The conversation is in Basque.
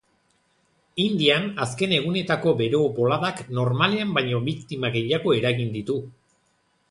Indian azken egunetako bero-boladak normalean baino biktima gehiago eragin ditu.